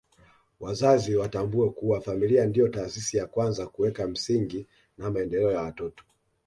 Wazazi watambue kuwa familia ndio taasisi ya kwanza kuweka msingi wa maendeleo ya watoto